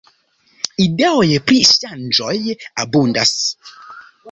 Ideoj pri ŝanĝoj abundas.